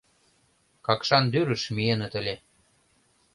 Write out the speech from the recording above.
Какшандӱрыш миеныт ыле.